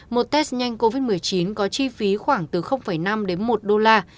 một test nhanh covid một mươi chín có chi phí khoảng từ năm đến một đô la